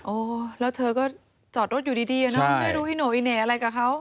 โอ้แล้วเธอก็จอดรถอยู่ดีนะไม่รู้ที่หน่วยแน่อะไรกับเขา